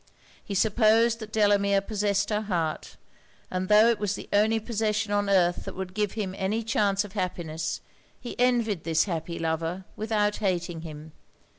He supposed that Delamere possessed her heart; and tho' it was the only possession on earth that would give him any chance of happiness, he envied this happy lover without hating him.